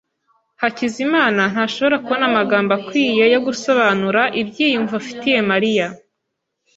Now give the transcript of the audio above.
Hakizimana ntashobora kubona amagambo akwiye yo gusobanura ibyiyumvo afitiye Mariya.